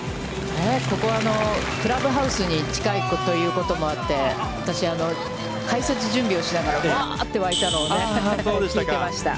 ここは、クラブハウスに近いということもあって、解説準備をしながらわあってわいたのを聞いていました。